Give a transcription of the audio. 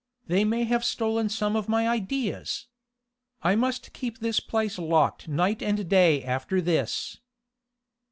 They may have stolen some of my ideas. I must keep this place locked night and day after this."